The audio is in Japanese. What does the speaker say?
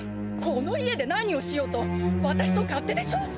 この家で何をしようとわたしの勝手でしょ！